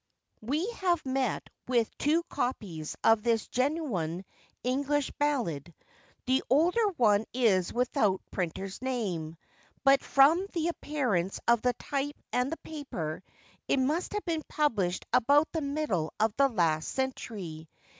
[WE have met with two copies of this genuine English ballad; the older one is without printer's name, but from the appearance of the type and the paper, it must have been published about the middle of the last century.